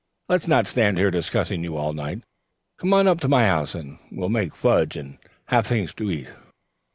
"Let's not stand here discussing you all night. Come on up to my house, and we'll make fudge and have things to eat."